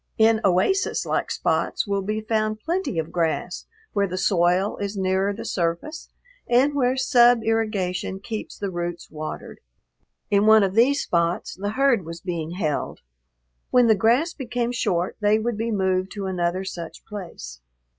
In oasis like spots will be found plenty of grass where the soil is nearer the surface and where sub irrigation keeps the roots watered. In one of these spots the herd was being held. When the grass became short they would be moved to another such place.